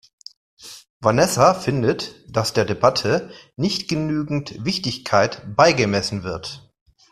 Vanessa findet, dass der Debatte nicht genügend Wichtigkeit beigemessen wird.